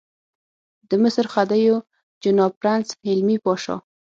د مصر خدیو جناب پرنس حلمي پاشا.